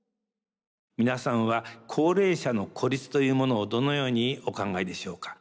皆さんは高齢者の孤立というものをどのようにお考えでしょうか。